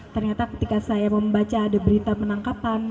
ternyata ketika saya membaca ada berita penangkapan